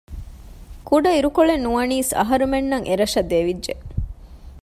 ކުޑައިރުކޮޅެއް ނުވަނީސް އަހަރުމެންނަށް އެ ރަށަށް ދެވިއްޖެ